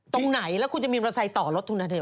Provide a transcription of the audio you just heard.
ตรงไหนแล้วคุณจะมีมอเตอร์ไซค์ต่อรถทุนาเทล